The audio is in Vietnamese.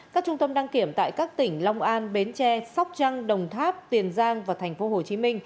các trung tâm đăng kiểm tại các tỉnh long an bến tre sóc trăng đồng tháp tiền giang và tp hcm